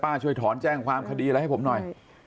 ช่วยถอนแจ้งความคดีอะไรให้ผมหน่อย